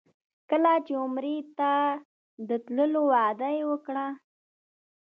کله عمرې ته د تللو وعده وکړم.